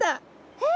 えっ？